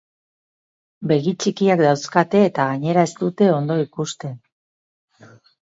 Begi txikiak dauzkate eta gainera ez dute ondo ikusten.